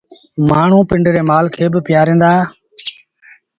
مآڻهوٚٚݩ پنڊري مآل کي با پيٚآريندآ